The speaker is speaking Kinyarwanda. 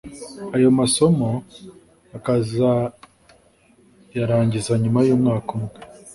ayo masomo akazayarangiza nyuma y’umwaka umwe